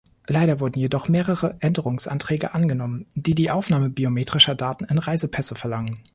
Leider wurden jedoch mehrere Änderungsanträge angenommen, die die Aufnahme biometrischer Daten in Reisepässe verlangen.